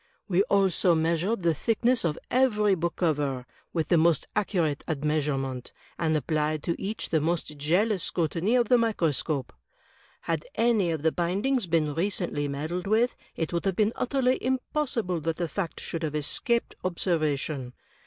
We also measured the thickness of 134 THE TECHNIQUE OF THE MYSTERY STORY every bookcover, with the most accurate admeasurement, and applied to each the most jealous scrutiny of the microscope. Had any of the bindings been recently meddled with, it would have been utterly impossible that the fact should have escaped observation.